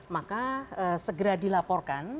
maka segera dilaporkan